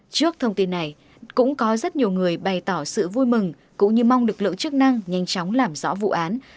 trước thông tin này cũng có rất nhiều người bày tỏ sự vui mừng cũng như mong lực lượng chức năng nhanh chóng làm rõ vụ án